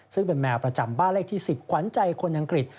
ซึ่งเป็นแมวประจำบ้านเลขที่๑๐ขวัญใจคนอังกฤษ